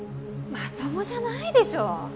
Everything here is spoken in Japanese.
まともじゃないでしょう？